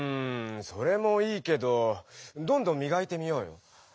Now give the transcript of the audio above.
それもいいけどどんどんみがいてみようよ。